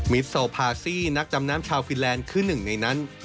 โซพาซี่นักดำน้ำชาวฟินแลนด์คือหนึ่งในนั้น